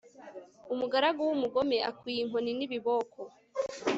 umugaragu w'umugome akwiye inkoni n'ibiboko